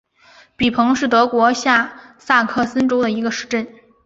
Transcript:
比彭是德国下萨克森州的一个市镇。